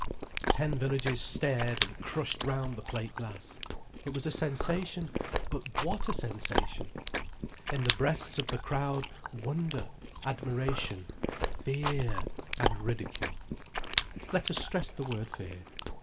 Ten villages stared and crushed round the plate glass. It was a sensation: but what sensation! In the breasts of the crowd, wonder, admiration, fear, and ridicule. Let us stress the word fear.